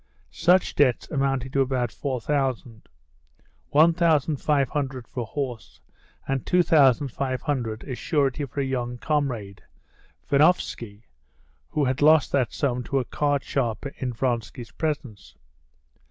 Such debts amounted to about four thousand: one thousand five hundred for a horse, and two thousand five hundred as surety for a young comrade, Venovsky, who had lost that sum to a cardsharper in Vronsky's presence.